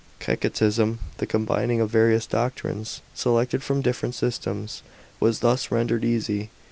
Kcltcticism — the combining of various doctrines selected from different systems — was thus rendered easy.